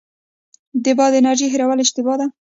د باد انرژۍ هیرول اشتباه ده.